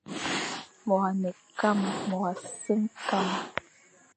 Môr a ne kam, môr a sem kam,